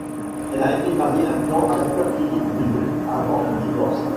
Elle a été mariée un temps à l'acteur Philippe Bruneau avant un divorce.